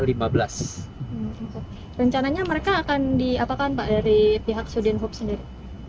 rencananya mereka akan diapakan pak dari pihak sudin hub sendiri